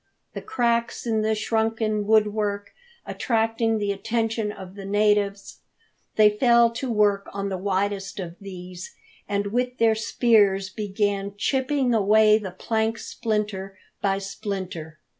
The cracks in the shrunken woodwork attracting the attention of the natives, they fell to work on the widest of these, and with their spears began chipping away the plank splinter by splinter.